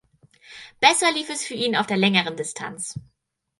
Besser lief es für ihn auf der längeren Distanz.